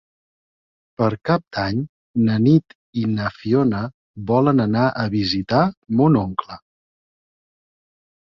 Per Cap d'Any na Nit i na Fiona volen anar a visitar mon oncle.